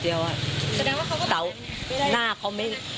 แสดงว่าเขาก็เป็นแบบนี้